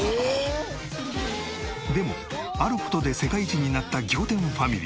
でもある事で世界一になった仰天ファミリー。